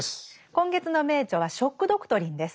今月の名著は「ショック・ドクトリン」です。